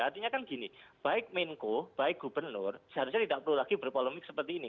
artinya kan gini baik menko baik gubernur seharusnya tidak perlu lagi berpolemik seperti ini